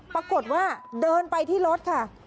ปรากฏว่าเดินไปที่รถค่ะ